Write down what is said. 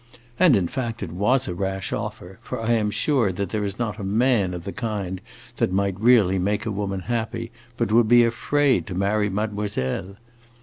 And, in fact, it was a rash offer; for I am sure that there is not a man of the kind that might really make a woman happy but would be afraid to marry mademoiselle.